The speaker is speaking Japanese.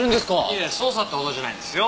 いやいや捜査ってほどじゃないですよ。